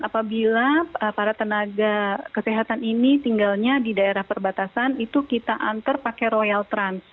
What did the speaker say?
apabila para tenaga kesehatan ini tinggalnya di daerah perbatasan itu kita antar pakai royal trans